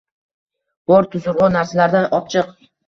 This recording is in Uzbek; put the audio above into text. – Bor, tuzukroq narsalardan opchiq